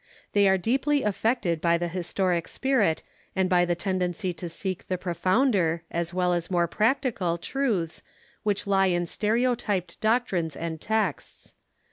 They are deeply affected by the historic spirit and by the tendency to seek the profounder as well as more practical truths which lie iu stereotyped doctrines and texts.